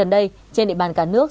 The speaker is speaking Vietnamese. gần đây trên địa bàn cả nước